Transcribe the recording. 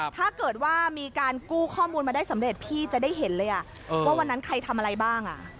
ถ้าเกิดว่ามีการกู้ข้อมูลมาได้สำเร็จพี่จะได้เห็นเลยว่าวันนั้นใครทำอะไรบ้าง